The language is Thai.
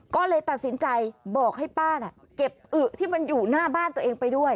ก็เลยตัดสินใจบอกให้ป้าน่ะเก็บอึที่มันอยู่หน้าบ้านตัวเองไปด้วย